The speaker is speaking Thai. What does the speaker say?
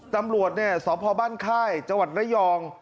ตำรวจสอบพอบ้านค่ายจังหวัดระยอง